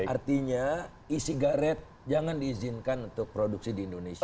artinya e cigarette jangan diizinkan untuk produksi di indonesia